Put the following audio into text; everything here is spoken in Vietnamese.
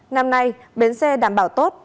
năm nay bến xe đảm bảo tốt